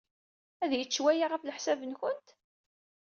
Ad yečč waya, ɣef leḥsab-nwent?